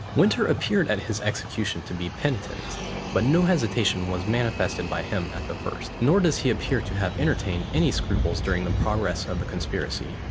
Winter appeared at his execution to be penitent; but no hesitation was manifested by him at the first; nor does he appear to have entertained any scruples during the progress of the conspiracy.